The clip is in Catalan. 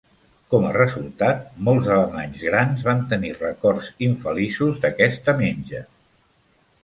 Com a resultat, molts alemanys grans van tenir records infeliços d'aquesta menja.